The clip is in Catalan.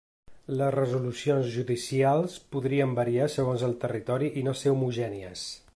Les resolucions judicials podrien variar segons el territori i no ser homogènies.